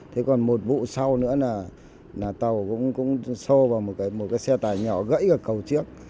thế còn một vụ sau nữa là tàu cũng xô vào một cái xe tải nhỏ gãy ở cầu chiếc